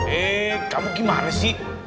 eh kamu gimana sih